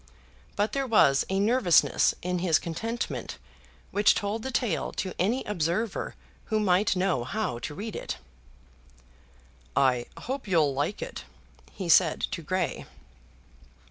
But there was a nervousness in his contentment which told the tale to any observer who might know how to read it. "I hope you'll like it," he said to Grey.